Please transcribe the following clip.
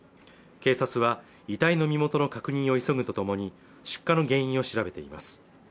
警察は遺体の身元の確認を急ぐとともに出火の原因を調べています